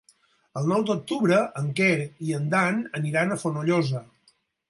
El nou d'octubre en Quer i en Dan aniran a Fonollosa.